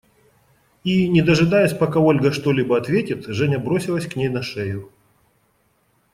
И, не дожидаясь, пока Ольга что-либо ответит, Женя бросилась к ней на шею.